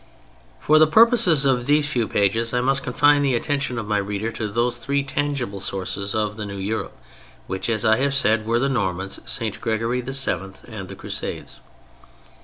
For the purposes of these few pages I must confine the attention of my reader to those three tangible sources of the new Europe, which, as I have said, were the Normans, St. Gregory VII., and the Crusades.